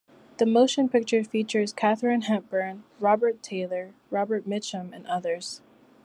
The motion picture features Katharine Hepburn, Robert Taylor, Robert Mitchum, and others.